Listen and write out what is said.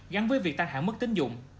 gắn với việc tăng hạ mức tính dụng